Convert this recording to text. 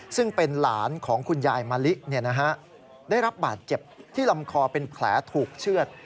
ซึ่งเป็นหลานของคุณยายมะลิได้รับบาดเจ็บที่ลำคอเป็นแผลถูกเชื่อด